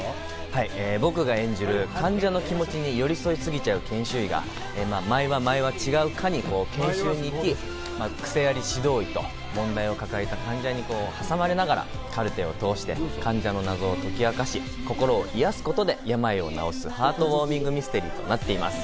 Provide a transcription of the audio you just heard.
僕が演じる患者の気持ちに寄り添い過ぎちゃう研修医が毎話毎話、違う科に研修に行き、クセあり指導医と問題を抱えた患者に挟まれながら、カルテを通して患者の謎を解き明かし、心を癒やすことで病を治すハートウォーミングミステリーとなっています。